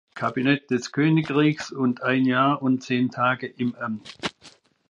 Kabinett des Königreiches und ein Jahr und zehn Tage im Amt.